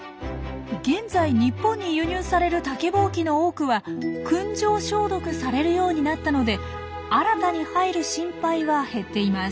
現在日本に輸入される竹ぼうきの多くは燻蒸消毒されるようになったので新たに入る心配は減っています。